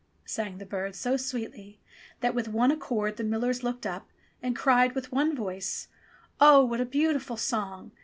sang the bird so sweetly that with one accord the millers looked up and cried with one voice : "Oh, what a beautiful song!